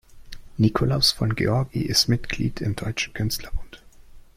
Nikolaus von Georgi ist Mitglied im Deutschen Künstlerbund.